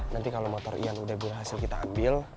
nanti kalau motor ian sudah berhasil kita ambil